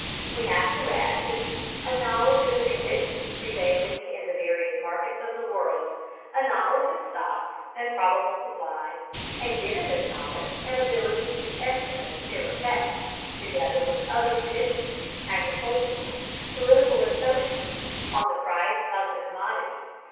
We have to add to these a knowledge of the conditions prevailing in the various markets of the world, a knowledge of stocks and probable supplies, and given this knowledge, an ability to estimate their effect, together with other conditions, agricultural, political and social, on the price of the commodity.